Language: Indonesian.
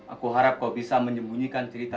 aku harap kau bisa menyembunyikan cerita